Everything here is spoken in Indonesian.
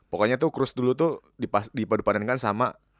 pokoknya tuh kruz dulu tuh dipadupadankan sama